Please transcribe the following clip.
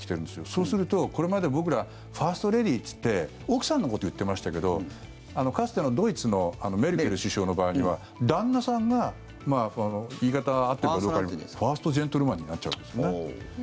そうすると、これまで僕らファーストレディーって言って奥さんのことを言ってましたけどかつてのドイツのメルケル首相の場合には旦那さんが言い方合ってるかどうかファーストジェントルマンになっちゃうわけですよね。